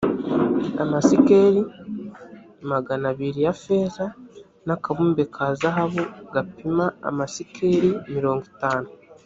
amasikeli magana abiri ya feza, n’akabumbe ka zahabu gapima amasikeli mirongo itanu,